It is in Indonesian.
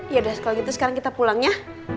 yaudah kalau gitu sekarang kita pulang ya